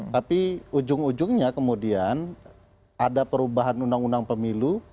tapi ujung ujungnya kemudian ada perubahan undang undang pemilu